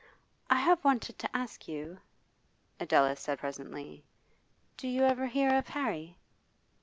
'I have wanted to ask you,' Adela said presently, 'do you ever hear of Harry?